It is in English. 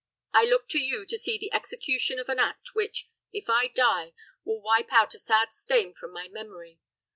I look to you to see the execution of an act which, if I die, will wipe out a sad stain from my memory.